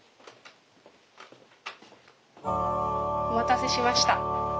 お待たせしました。